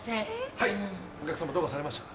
はいお客さまどうかされましたか？